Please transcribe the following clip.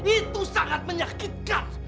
itu sangat menyakitkan